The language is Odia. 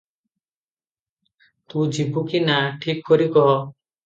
ତୁ ଯିବୁ କି ନାଁ, ଠିକ୍ କରି କହ ।